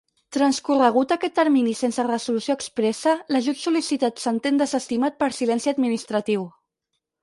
Transcorregut aquest termini sense resolució expressa, l'ajut sol·licitat s'entén desestimat per silenci administratiu.